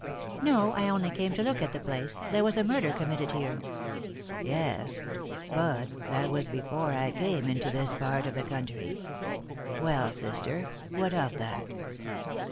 "No. I only came to look at the place. There was a murder committed here." "Yes; but that was before I came into this part of the country. Well, sister, what of that?"